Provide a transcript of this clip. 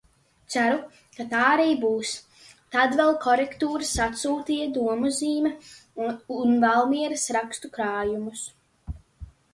Ceru, ka tā arī būs. Tad vēl korektūras atsūtīja "Domuzīme" un Valmieras rakstu krājumus.